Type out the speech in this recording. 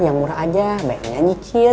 yang murah aja bayangin aja cik